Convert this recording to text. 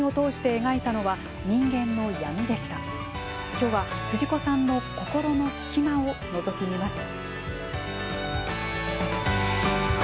きょうは藤子さんの心の隙間をのぞき見ます。